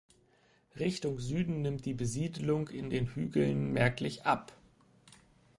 Richtung Süden nimmt die Besiedlung in den Hügeln merklich ab.